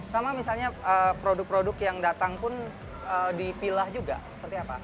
sama misalnya produk produk yang datang pun dipilah juga seperti apa